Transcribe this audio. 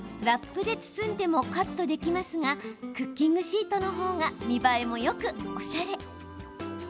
ラップで包んでもカットできますがクッキングシートのほうが見栄えもよく、おしゃれ。